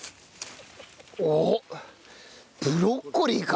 おっブロッコリーか？